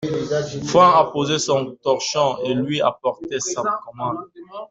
Franck a posé son torchon et lui a apporté sa commande.